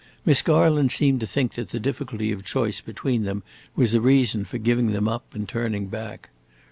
Miss Garland seemed to think that the difficulty of choice between them was a reason for giving them up and turning back.